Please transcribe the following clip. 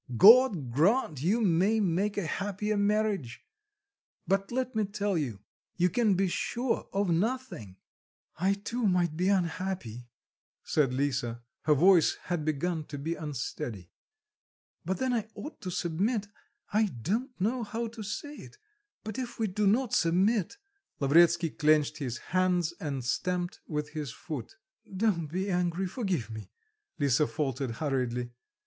God grant you may make a happier marriage! but let me tell you, you can be sure of nothing." "I too might be unhappy," said Lisa (her voice had begun to be unsteady), "but then I ought to submit, I don't know how to say it; but if we do not submit" Lavretsky clenched his hands and stamped with his foot. "Don't be angry, forgive me," Lisa faltered hurriedly.